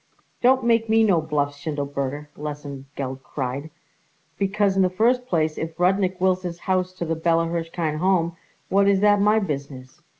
"Don't make me no bluffs, Schindelberger," Lesengeld cried, "because, in the first place, if Rudnik wills his house to the Bella Hirshkind Home, what is that my business?